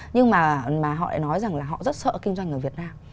nhưng mà họ lại nói rằng là họ rất sợ kinh doanh ở việt nam